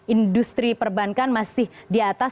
industri perbankan masih di atas